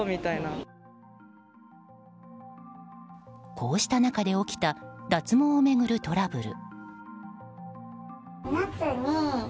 こうした中で起きた脱毛を巡るトラブル。